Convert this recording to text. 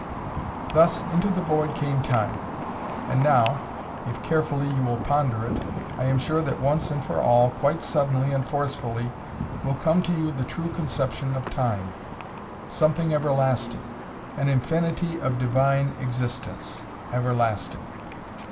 Thus, into the void came Time. And now, if carefully you will ponder it, I am sure that once and for all quite suddenly and forcefully will come to you the true conception of Time something Everlasting an Infinity of Divine existence, Everlasting.